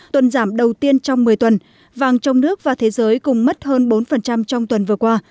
tuần giảm đầu tiên trong một mươi tuần vàng trong nước và thế giới cùng mất hơn bốn trong tuần vừa qua